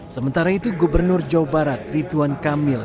sementara itu gubernur jawa barat rituan kamil